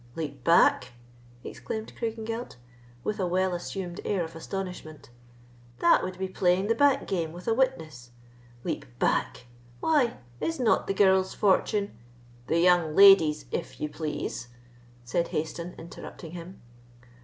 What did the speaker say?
"Leap back!" exclaimed Craigengelt, with a well assumed air of astonishment, "that would be playing the back game with a witness! Leap back! Why, is not the girl's fortune——" "The young lady's, if you please," said Hayston, interrupting him.